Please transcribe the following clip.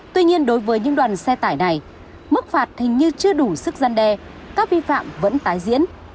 tuy nhiên đối với những đoàn xe tải này mức phạt hình như chưa đủ sức gian đe các vi phạm vẫn tái diễn